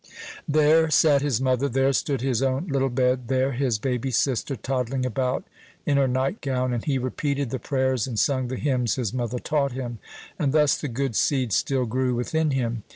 There sat his mother; there stood his own little bed; there his baby sister, toddling about in her night gown; and he repeated the prayers and sung the hymns his mother taught him, and thus the good seed still grew within him.